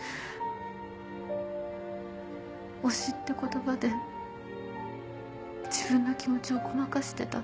推しって言葉で自分の気持ちをごまかしてた。